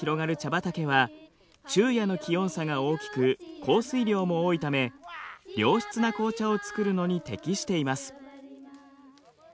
畑は昼夜の気温差が大きく降水量も多いため良質な紅茶を作るのに適しています。